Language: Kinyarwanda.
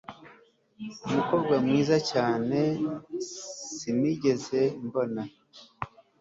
umukobwa mwiza cyane sinigeze mbona